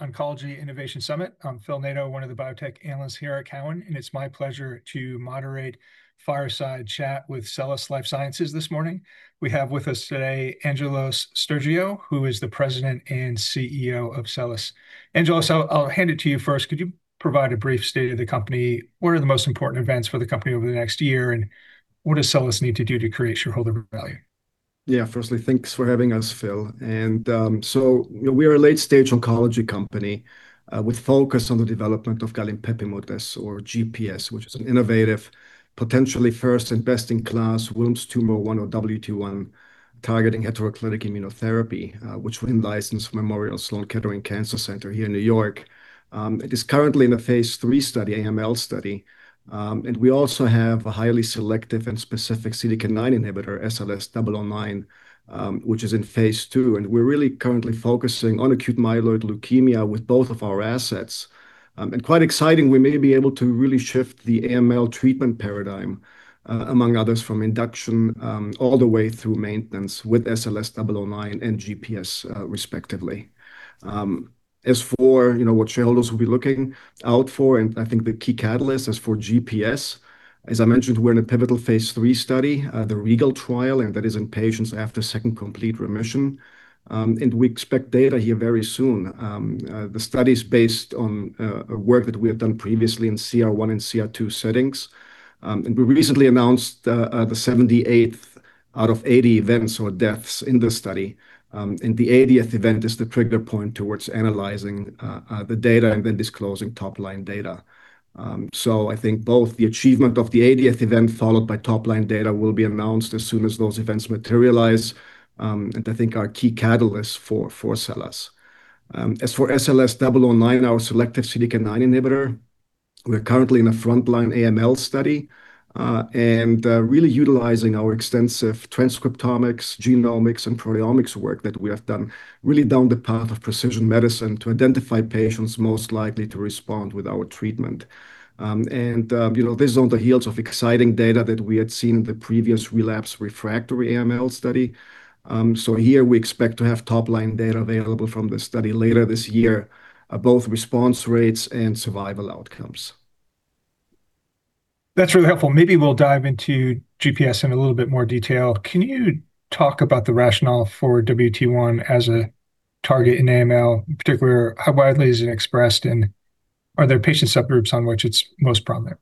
Oncology Innovation Summit. I'm Philip Nadeau, one of the biotech analysts here at TD Cowen, and it's my pleasure to moderate a fireside chat with SELLAS Life Sciences Group this morning. We have with us today Angelos Stergiou, who is the President and Chief Executive Officer of SELLAS. Angelos, I'll hand it to you first. Could you provide a brief state of the company? What are the most important events for the company over the next year, and what does SELLAS need to do to create shareholder value? Firstly, thanks for having us, Phil. We are a late-stage oncology company with focus on the development of galinpepimut-S or GPS, which is an innovative, potentially first and best-in-class Wilms' tumor 1 or WT1 targeting heteroclitic immunotherapy, which we licensed from Memorial Sloan Kettering Cancer Center here in New York. It is currently in a phase III study, AML study. We also have a highly selective and specific CDK9 inhibitor, SLS009, which is in phase II, and we're really currently focusing on Acute Myeloid Leukemia with both of our assets. Quite exciting, we may be able to really shift the AML treatment paradigm, among others, from induction all the way through maintenance with SLS009 and GPS, respectively. As for what shareholders will be looking out for, I think the key catalyst, as for GPS, as I mentioned, we're in a pivotal phase III study, the REGAL trial, and that is in patients after second complete remission. We expect data here very soon. The study's based on work that we have done previously in CR1 and CR2 settings. We recently announced the 78th out of 80 events or deaths in the study. The 80th event is the trigger point towards analyzing the data and then disclosing top-line data. I think both the achievement of the 80th event followed by top-line data will be announced as soon as those events materialize, and I think are key catalysts for SELLAS. As for SLS009, our selective CDK9 inhibitor, we're currently in a frontline AML study. Really utilizing our extensive transcriptomics, genomics, and proteomics work that we have done, really down the path of precision medicine to identify patients most likely to respond with our treatment. This is on the heels of exciting data that we had seen in the previous relapse refractory AML study. Here we expect to have top-line data available from the study later this year, both response rates and survival outcomes. That's really helpful. Maybe we'll dive into GPS in a little bit more detail. Can you talk about the rationale for WT1 as a target in AML? In particular, how widely is it expressed, and are there patient subgroups on which it's most prominent?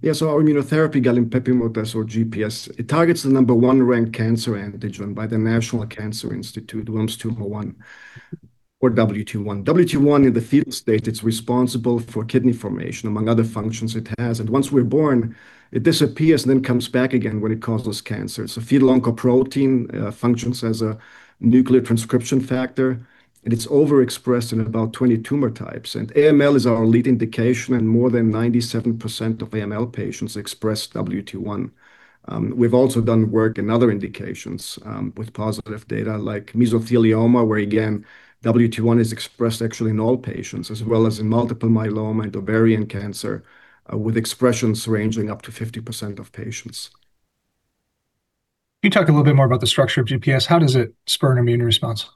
Yeah. Our immunotherapy, galinpepimut-S or GPS, it targets the number one-ranked cancer antigen by the National Cancer Institute, Wilms' tumor 1 or WT1. WT1 in the fetal state, it's responsible for kidney formation, among other functions it has. Once we're born, it disappears and then comes back again when it causes cancer. It's a fetal oncoprotein, functions as a nuclear transcription factor, and it's overexpressed in about 20 tumor types. AML is our lead indication, and more than 97% of AML patients express WT1. We've also done work in other indications, with positive data like mesothelioma, where again, WT1 is expressed actually in all patients, as well as in multiple myeloma and ovarian cancer, with expressions ranging up to 50% of patients. Can you talk a little bit more about the structure of GPS? How does it spur an immune response?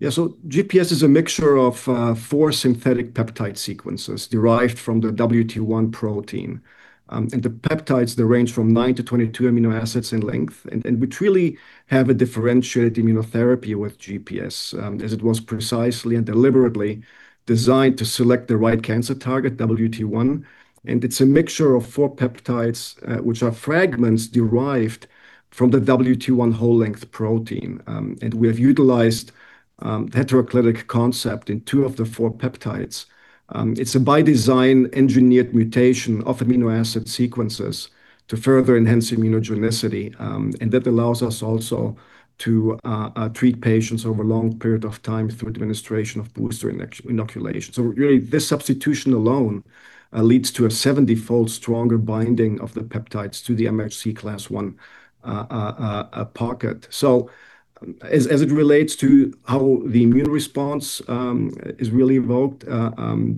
Yeah. GPS is a mixture of four synthetic peptide sequences derived from the WT1 protein. The peptides range from nine to 22 amino acids in length, and we truly have a differentiated immunotherapy with GPS, as it was precisely and deliberately designed to select the right cancer target, WT1, and it's a mixture of four peptides, which are fragments derived from the WT1 whole length protein. We have utilized heteroclitic concept in two of the four peptides. It's a by-design engineered mutation of amino acid sequences to further enhance immunogenicity. That allows us also to treat patients over a long period of time through administration of booster inoculation. Really, this substitution alone leads to a 70-fold stronger binding of the peptides to the MHC class I pocket. As it relates to how the immune response is really evoked,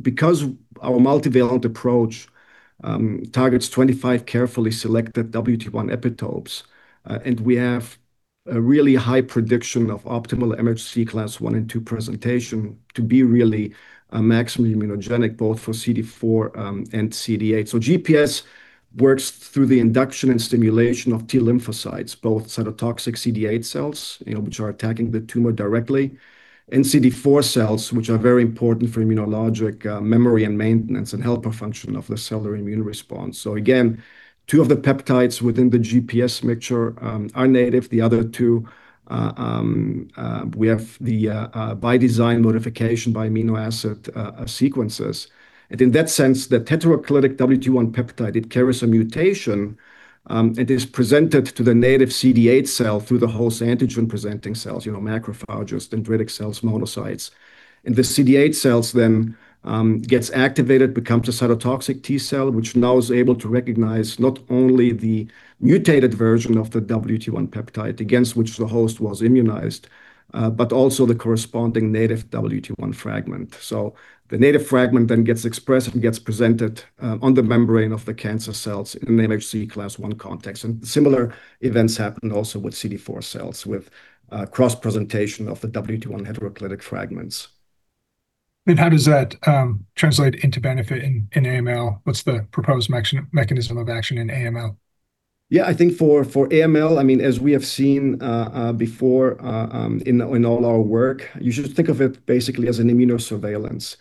because our multivalent approach targets 25 carefully selected WT1 epitopes, and we have a really high prediction of optimal MHC class I and II presentation to be really maximally immunogenic both for CD4 and CD8. GPS works through the induction and stimulation of T lymphocytes, both cytotoxic CD8 cells, which are attacking the tumor directly, and CD4 cells, which are very important for immunologic memory and maintenance and helper function of the cellular immune response. Again, two of the peptides within the GPS mixture are native. The other two, we have the by-design modification by amino acid sequences. In that sense, the heteroclitic WT1 peptide, it carries a mutation, and is presented to the native CD8 cell through the host antigen-presenting cells, macrophages, dendritic cells, monocytes. The CD8 cells then gets activated, becomes a cytotoxic T cell, which now is able to recognize not only the mutated version of the WT1 peptide against which the host was immunized, but also the corresponding native WT1 fragment. The native fragment then gets expressed and gets presented on the membrane of the cancer cells in an MHC class I context, and similar events happen also with CD4 cells with cross-presentation of the WT1 heteroclitic fragments. How does that translate into benefit in AML? What's the proposed mechanism of action in AML? Yeah, I think for AML, as we have seen before in all our work, you should think of it basically as an immunosurveillance.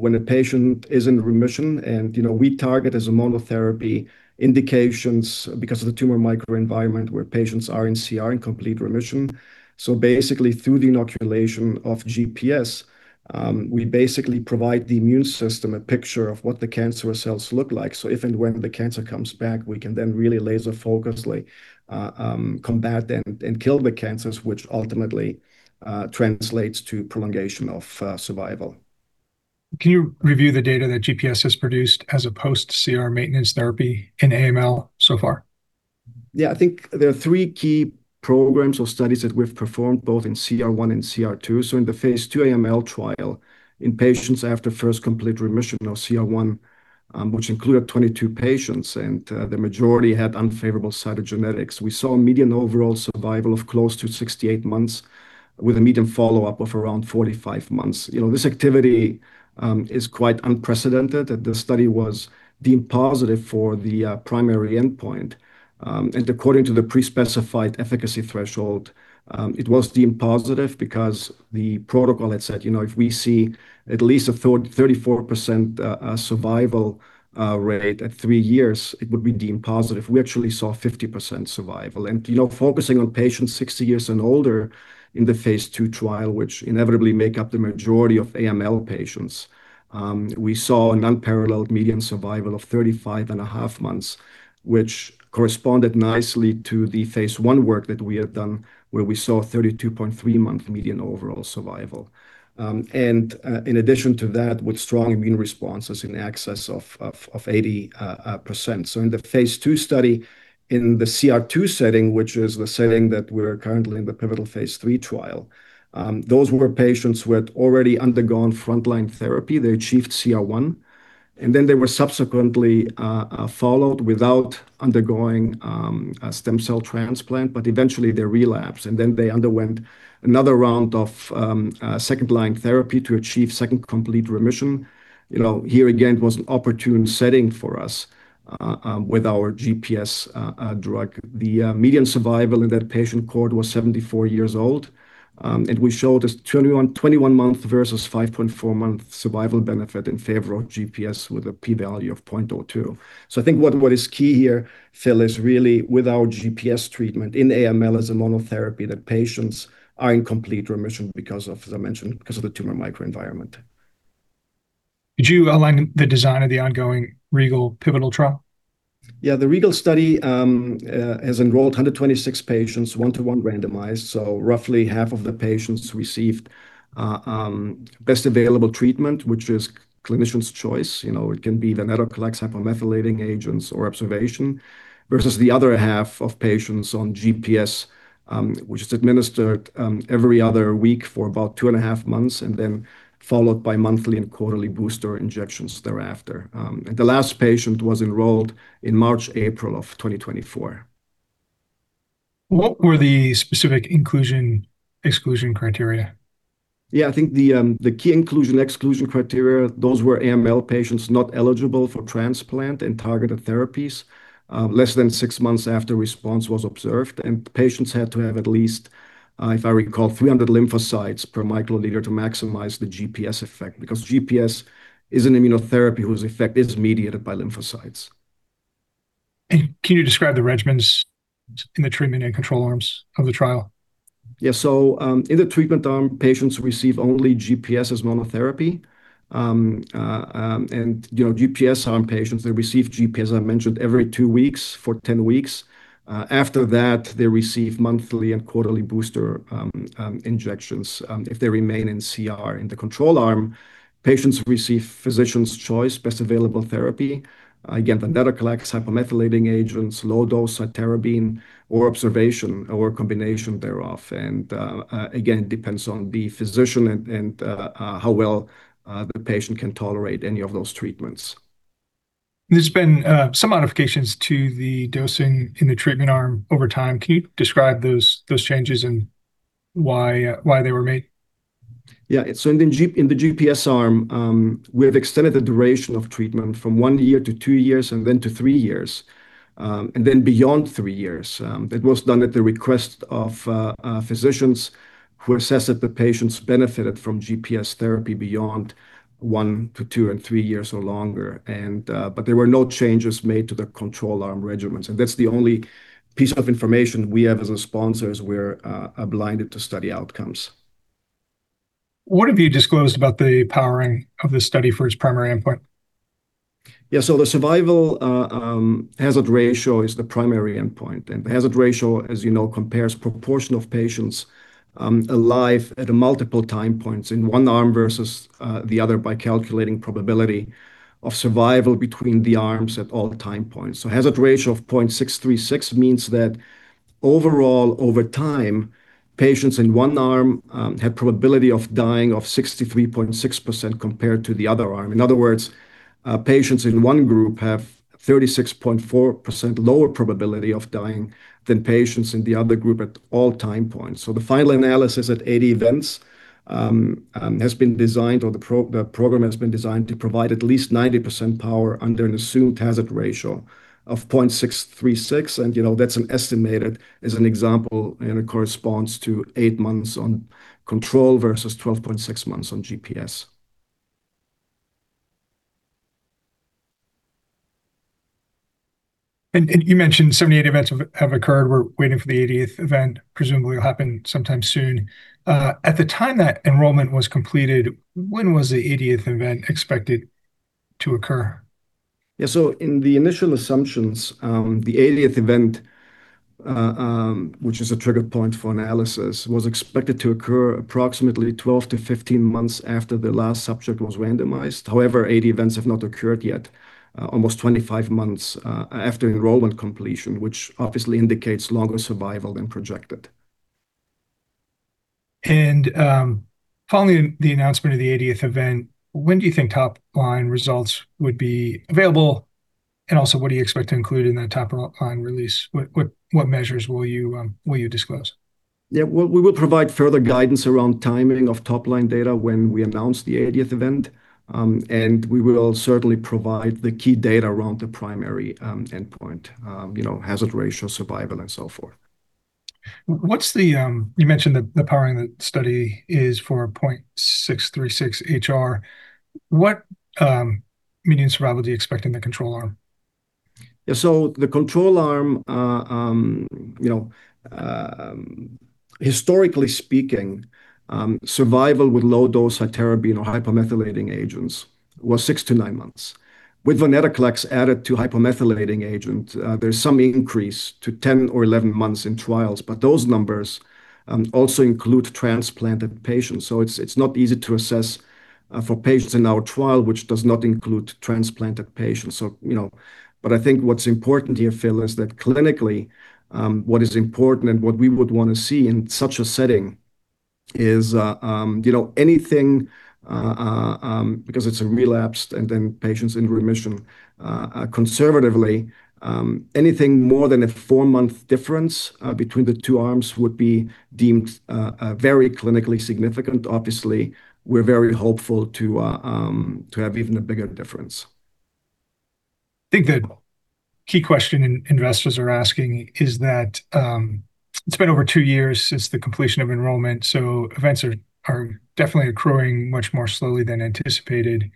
When a patient is in remission and we target as a monotherapy indications because of the tumor microenvironment where patients are in CR, in complete remission. Basically, through the inoculation of GPS, we basically provide the immune system a picture of what the cancerous cells look like. If and when the cancer comes back, we can then really laser focusly combat and kill the cancers, which ultimately translates to prolongation of survival. Can you review the data that GPS has produced as a post-CR maintenance therapy in AML so far? Yeah, I think there are three key programs or studies that we've performed both in CR1 and CR2. In the phase II AML trial, in patients after first complete remission or CR1, which included 22 patients and the majority had unfavorable cytogenetics. We saw a median overall survival of close to 68 months, with a median follow-up of around 45 months. This activity is quite unprecedented, and the study was deemed positive for the primary endpoint. According to the pre-specified efficacy threshold, it was deemed positive because the protocol had said, if we see at least a 34% survival rate at three years, it would be deemed positive. We actually saw 50% survival. Focusing on patients 60 years and older in the phase II trial, which inevitably make up the majority of AML patients, we saw an unparalleled median survival of 35.5 months, which corresponded nicely to the phase I work that we had done, where we saw a 32.3-month median overall survival. In addition to that, with strong immune responses in excess of 80%. In the phase II study, in the CR2 setting, which is the setting that we're currently in the pivotal phase III trial, those were patients who had already undergone frontline therapy. They achieved CR1, they were subsequently followed without undergoing a stem cell transplant, eventually they relapsed, and they underwent another round of second-line therapy to achieve second complete remission. Here again, was an opportune setting for us with our GPS drug. The median survival in that patient cohort was 74 years old. We showed a 21-month versus 5.4-month survival benefit in favor of GPS with a P value of 0.02. I think what is key here, Phil, is really with our GPS treatment in AML as a monotherapy, that patients are in complete remission because of, as I mentioned, because of the tumor microenvironment. Could you outline the design of the ongoing REGAL pivotal trial? Yeah. The REGAL study has enrolled 126 patients, one-one randomized. Roughly half of the patients received best available treatment, which is clinician's choice. It can be venetoclax, hypomethylating agents, or observation, versus the other half of patients on GPS, which is administered every other week for about 2.5 months, and then followed by monthly and quarterly booster injections thereafter. The last patient was enrolled in March, April 2024. What were the specific inclusion/exclusion criteria? Yeah, I think the key inclusion/exclusion criteria, those were AML patients not eligible for transplant and targeted therapies less than six months after response was observed, and patients had to have at least, if I recall, 300 lymphocytes per microliter to maximize the GPS effect, because GPS is an immunotherapy whose effect is mediated by lymphocytes. Can you describe the regimens in the treatment and control arms of the trial? Yeah. In the treatment arm, patients receive only GPS as monotherapy. GPS arm patients, they receive GPS, I mentioned, every two weeks for 10 weeks. After that, they receive monthly and quarterly booster injections if they remain in CR. In the control arm, patients receive physician's choice, best available therapy. Again, venetoclax, hypomethylating agents, low-dose cytarabine, or observation, or a combination thereof. Again, it depends on the physician and how well the patient can tolerate any of those treatments. There's been some modifications to the dosing in the treatment arm over time. Can you describe those changes and why they were made? Yeah. In the GPS arm, we have extended the duration of treatment from one year to two years, and then to three years, and then beyond three years. That was done at the request of physicians who assessed that the patients benefited from GPS therapy beyond one to two and three years or longer. There were no changes made to the control arm regimens, and that's the only piece of information we have as a sponsor, as we're blinded to study outcomes. What have you disclosed about the powering of this study for its primary endpoint? The survival hazard ratio is the primary endpoint, and hazard ratio, as you know, compares proportion of patients alive at multiple time points in one arm versus the other by calculating probability of survival between the arms at all time points. Hazard ratio of 0.636 means that overall, over time, patients in one arm had probability of dying of 63.6% compared to the other arm. In other words, patients in one group have 36.4% lower probability of dying than patients in the other group at all time points. The final analysis at 80 events has been designed, or the program has been designed to provide at least 90% power under an assumed hazard ratio of 0.636, and that's an estimated, as an example, and it corresponds to eight months on control versus 12.6 months on GPS. You mentioned 78 events have occurred. We're waiting for the 80th event, presumably it'll happen sometime soon. At the time that enrollment was completed, when was the 80th event expected to occur? In the initial assumptions, the 80th event, which is a trigger point for analysis, was expected to occur approximately 12-15 months after the last subject was randomized. However, 80 events have not occurred yet, almost 25 months after enrollment completion, which obviously indicates longer survival than projected. Following the announcement of the 80th event, when do you think top-line results would be available? Also, what do you expect to include in that top-line release? What measures will you disclose? Yeah. Well, we will provide further guidance around timing of top-line data when we announce the 80th event. We will certainly provide the key data around the primary endpoint, hazard ratio, survival, and so forth. You mentioned the powering the study is for 0.636 HR. What median survival do you expect in the control arm? Yeah. The control arm, historically speaking, survival with low-dose cytarabine or hypomethylating agents was six-nine months. With venetoclax added to hypomethylating agent, there's some increase to 10 or 11 months in trials. Those numbers also include transplanted patients, it's not easy to assess for patients in our trial, which does not include transplanted patients. I think what's important here, Phil, is that clinically, what is important and what we would want to see in such a setting is anything, because it's a relapsed and then patients in remission, conservatively, anything more than a four-month difference between the two arms would be deemed very clinically significant. Obviously, we're very hopeful to have even a bigger difference. I think the key question investors are asking is that it's been over two years since the completion of enrollment, so events are definitely accruing much more slowly than anticipated.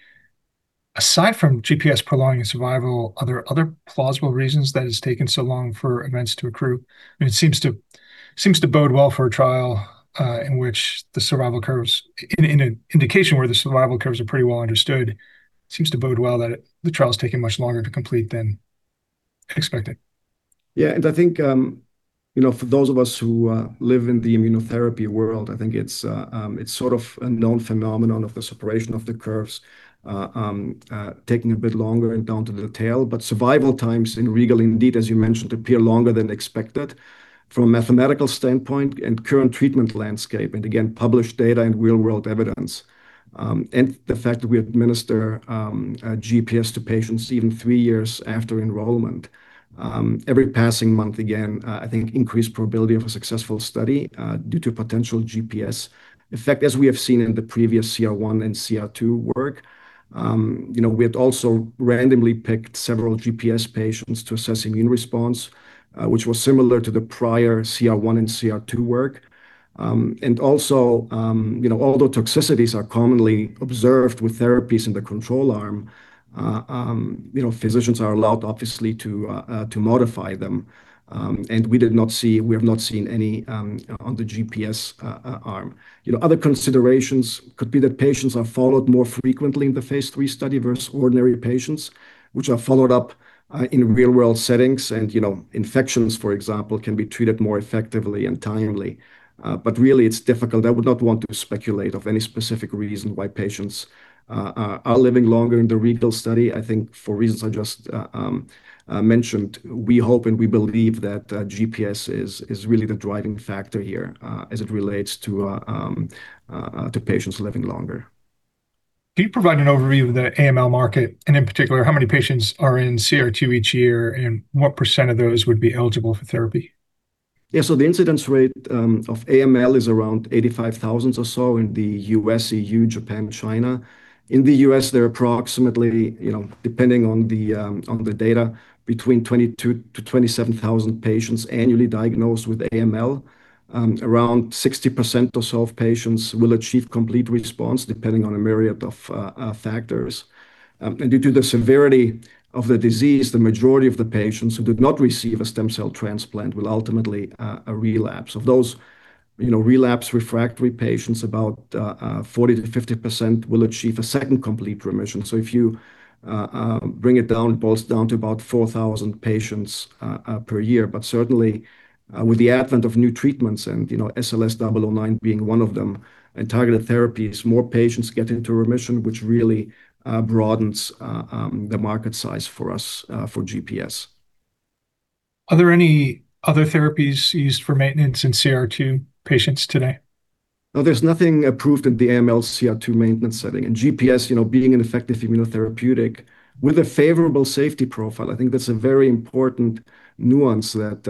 Aside from GPS prolonging survival, are there other plausible reasons that it's taken so long for events to accrue? I mean, it seems to bode well for a trial in which the survival curves, in an indication where the survival curves are pretty well understood, seems to bode well that the trial's taking much longer to complete than expected. Yeah. I think for those of us who live in the immunotherapy world, I think it's sort of a known phenomenon of the separation of the curves taking a bit longer and down to the tail. Survival times in REGAL, indeed, as you mentioned, appear longer than expected from a mathematical standpoint and current treatment landscape, again, published data and real-world evidence. The fact that we administer GPS to patients even three years after enrollment, every passing month, again, I think increased probability of a successful study due to potential GPS effect, as we have seen in the previous CR1 and CR2 work. We had also randomly picked several GPS patients to assess immune response, which was similar to the prior CR1 and CR2 work. Also, although toxicities are commonly observed with therapies in the control arm, physicians are allowed, obviously, to modify them. We have not seen any on the GPS arm. Other considerations could be that patients are followed more frequently in the phase III study versus ordinary patients, which are followed up in real-world settings. Infections, for example, can be treated more effectively and timely. Really, it's difficult. I would not want to speculate of any specific reason why patients are living longer in the REGAL study. I think for reasons I just mentioned, we hope and we believe that GPS is really the driving factor here as it relates to patients living longer. Can you provide an overview of the AML market, and in particular, how many patients are in CR2 each year, and what percent of those would be eligible for therapy? Yeah. The incidence rate of AML is around 85,000 or so in the U.S., E.U., Japan, China. In the U.S., there are approximately, depending on the data, between 22,000-27,000 patients annually diagnosed with AML. Around 60% or so of patients will achieve complete response, depending on a myriad of factors. Due to the severity of the disease, the majority of the patients who did not receive a stem cell transplant will ultimately relapse. Of those relapse refractory patients, about 40%-50% will achieve a second complete remission. If you bring it down, it boils down to about 4,000 patients per year. Certainly, with the advent of new treatments and SLS009 being one of them, and targeted therapies, more patients get into remission, which really broadens the market size for us for GPS. Are there any other therapies used for maintenance in CR2 patients today? No, there's nothing approved in the AML CR2 maintenance setting. GPS, being an effective immunotherapeutic with a favorable safety profile, I think that's a very important nuance that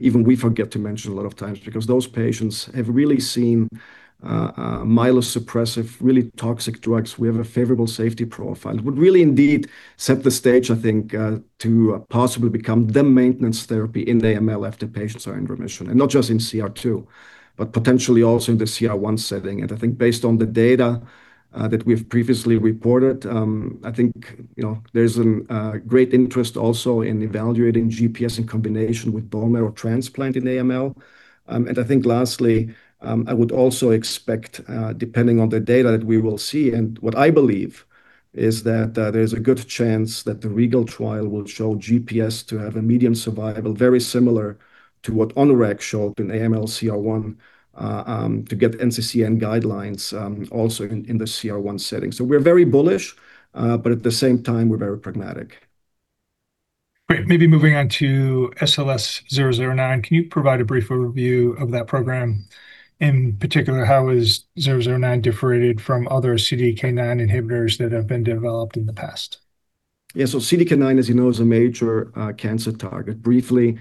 even we forget to mention a lot of times because those patients have really seen myelosuppressive, really toxic drugs. We have a favorable safety profile. It would really indeed set the stage, I think, to possibly become the maintenance therapy in the AML after patients are in remission, and not just in CR2, but potentially also in the CR1 setting. Based on the data that we've previously reported, I think there's a great interest also in evaluating GPS in combination with bone marrow transplant in AML. I think lastly, I would also expect, depending on the data that we will see, and what I believe, is that there's a good chance that the REGAL trial will show GPS to have a medium survival, very similar to what Onureg showed in AML CR1 to get NCCN guidelines also in the CR1 setting. We're very bullish, but at the same time, we're very pragmatic. Great. Maybe moving on to SLS009, can you provide a brief overview of that program? In particular, how is SLS009 differentiated from other CDK9 inhibitors that have been developed in the past? Yeah. CDK9, as you know, is a major cancer target. Briefly,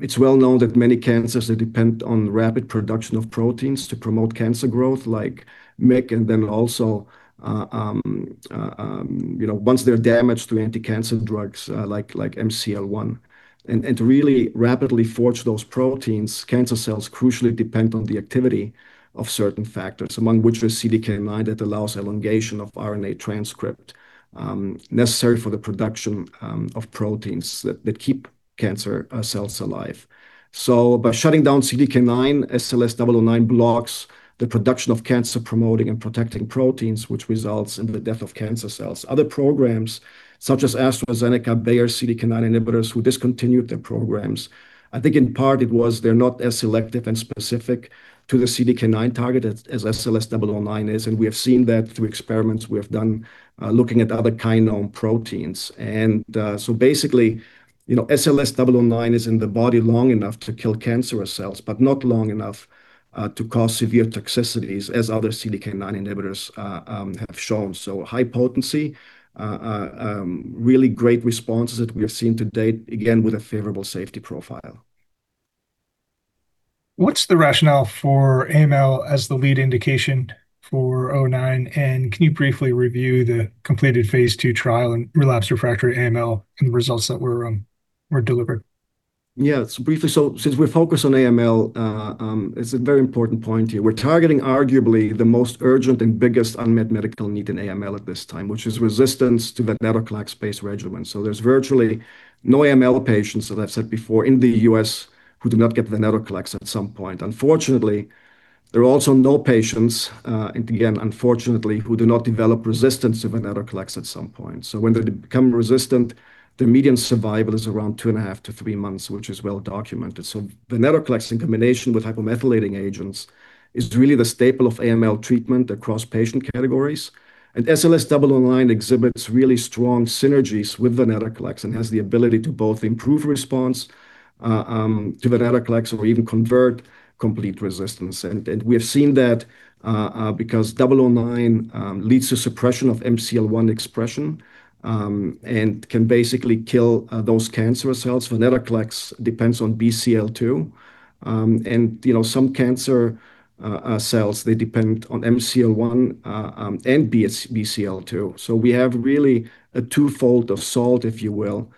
it's well known that many cancers depend on rapid production of proteins to promote cancer growth, like MYC and then also, once they're damaged to anti-cancer drugs like MCL1. To really rapidly forge those proteins, cancer cells crucially depend on the activity of certain factors, among which is CDK9, that allows elongation of RNA transcript necessary for the production of proteins that keep cancer cells alive. By shutting down CDK9, SLS009 blocks the production of cancer-promoting and protecting proteins, which results in the death of cancer cells. Other programs, such as AstraZeneca, they are CDK9 inhibitors who discontinued their programs. I think in part it was they're not as selective and specific to the CDK9 target as SLS009 is, and we have seen that through experiments we have done looking at other kinome proteins. Basically, SLS009 is in the body long enough to kill cancerous cells, but not long enough to cause severe toxicities as other CDK9 inhibitors have shown. High potency, really great responses that we have seen to date, again, with a favorable safety profile. What's the rationale for AML as the lead indication for SLS009, and can you briefly review the completed phase II trial in relapse refractory AML and the results that were delivered? Yeah. Briefly, since we're focused on AML, it's a very important point here. We're targeting arguably the most urgent and biggest unmet medical need in AML at this time, which is resistance to venetoclax-based regimen. There's virtually no AML patients that I've said before in the U.S. who do not get venetoclax at some point. Unfortunately, there are also no patients, and again, unfortunately, who do not develop resistance to venetoclax at some point. When they become resistant, the median survival is around two and a half to three months, which is well documented. Venetoclax in combination with hypomethylating agents is really the staple of AML treatment across patient categories. SLS009 exhibits really strong synergies with venetoclax and has the ability to both improve response to venetoclax or even convert complete resistance. We have seen that because SLS009 leads to suppression of MCL1 expression and can basically kill those cancerous cells. venetoclax depends on Bcl-2. Some cancer cells, they depend on MCL1 and Bcl-2. We have really a twofold assault, if you will,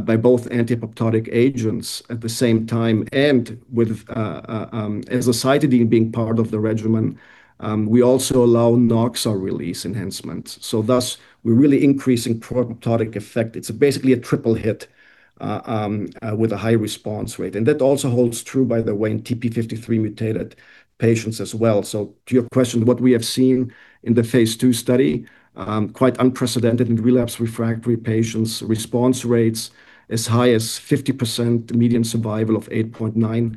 by both anti-apoptotic agents at the same time and with azacitidine being part of the regimen. We also allow Noxa release enhancement. Thus, we're really increasing pro-apoptotic effect. It's basically a triple hit with a high response rate. That also holds true, by the way, in TP53-mutated patients as well. To your question, what we have seen in the phase II study, quite unprecedented in relapse refractory patients, response rates as high as 50%, median survival of 8.9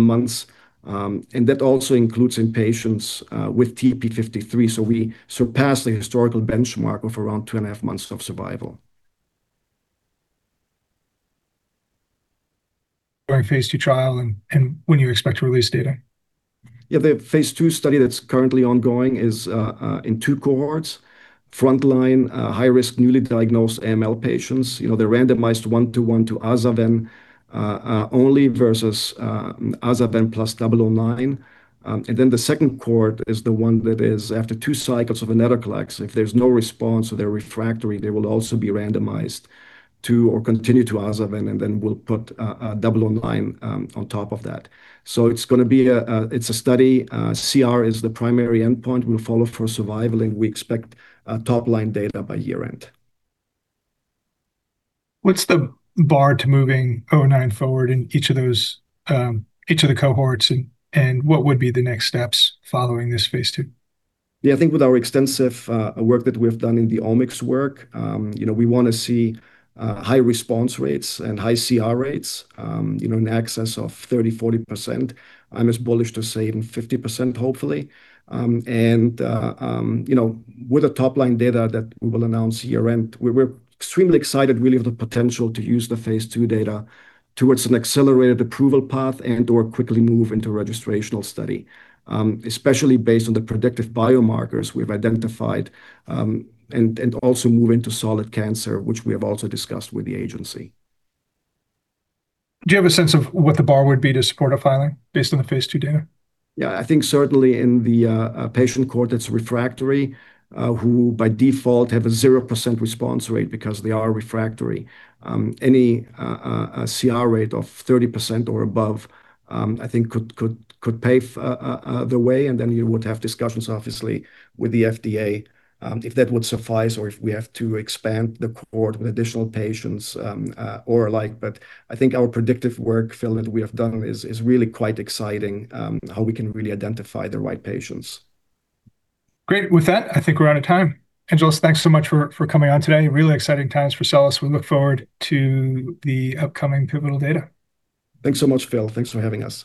months. That also includes in patients with TP53, we surpass the historical benchmark of around two and a half months of survival. During phase II trial and when you expect to release data? The phase II study that's currently ongoing is in two cohorts. Front line, high risk, newly diagnosed AML patients. They're randomized one-to-one to azacitidine only versus azacitidine plus SLS009. The second cohort is the one that is after two cycles of venetoclax. If there's no response or they're refractory, they will also be randomized to or continue to azacitidine, we'll put SLS009 on top of that. It's a study. CR is the primary endpoint. We'll follow for survival, we expect top-line data by year-end. What's the bar to moving SLS009 forward in each of the cohorts, and what would be the next steps following this phase II? Yeah. I think with our extensive work that we have done in the omics work, we want to see high response rates and high CR rates in excess of 30%, 40%. I'm as bullish to say even 50%, hopefully. With the top-line data that we will announce year-end, we're extremely excited really of the potential to use the phase II data towards an accelerated approval path and/or quickly move into registrational study, especially based on the predictive biomarkers we've identified, and also move into solid cancer, which we have also discussed with the agency. Do you have a sense of what the bar would be to support a filing based on the phase II data? Yeah. I think certainly in the patient cohort that's refractory, who by default have a 0% response rate because they are refractory, any CR rate of 30% or above I think could pave the way, and then you would have discussions, obviously, with the FDA if that would suffice or if we have to expand the cohort with additional patients or like. I think our predictive work, Philip, that we have done is really quite exciting how we can really identify the right patients. Great. With that, I think we're out of time. Angelos Stergiou, thanks so much for coming on today. Really exciting times for SELLAS. We look forward to the upcoming pivotal data. Thanks so much, Phil. Thanks for having us.